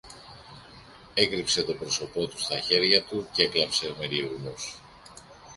έκρυψε το πρόσωπο του στα χέρια του κι έκλαψε με λυγμούς.